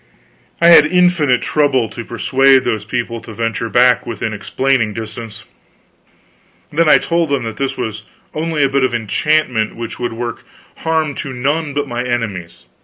I had infinite trouble to persuade those people to venture back within explaining distance. Then I told them that this was only a bit of enchantment which would work harm to none but my enemies.